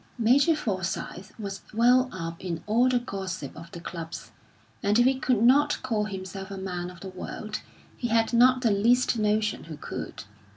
Major Forsyth was well up in all the gossip of the clubs, and if he could not call himself a man of the world, he had not the least notion who could.